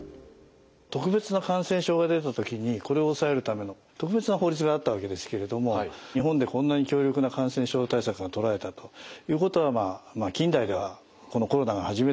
特別な感染症が出た時にこれを抑えるための特別な法律があったわけですけれども日本でこんなに強力な感染症対策が取られたということはまあ近代ではこのコロナが初めてじゃないかというふうに思います。